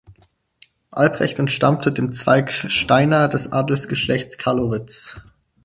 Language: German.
Albrecht entstammte dem Zweig Steina des Adelsgeschlechts Carlowitz.